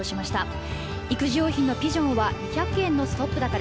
育児用品のピジョンは２００円のストップ高です。